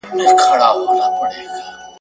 برېښنا، تالندي، غړومبی او جګ ږغونه !.